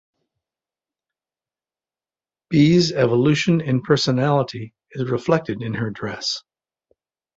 Bee's evolution in personality is reflected in her dress.